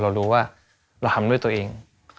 เรารู้ว่าเราทำด้วยตัวเอง